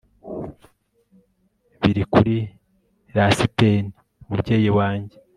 biri kuri lasiteni, umubyeyi wanjye